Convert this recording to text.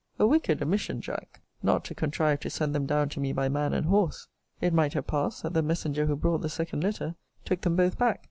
A wicked omission, Jack, not to contrive to send them down to me by man and horse! It might have passed, that the messenger who brought the second letter, took them both back.